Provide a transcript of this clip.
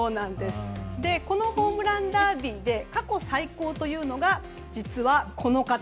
このホームランダービーで過去最高というのがこの方。